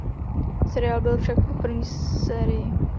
Seriál byl však po první sérii.